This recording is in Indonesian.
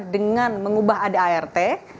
dengan mengubah ada art